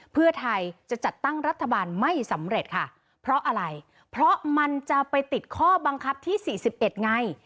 เพื่อไทยจะจัดตั้งรัฐบาลไม่สำเร็จค่ะเพราะอะไรเพราะมันจะไปติดข้อบังคับที่๔๑ไง